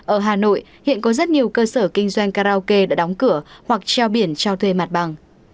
ở hà nội hiện có rất nhiều cơ sở kinh doanh karaoke đã đóng cửa hoặc treo biển trao thuê mặt bằng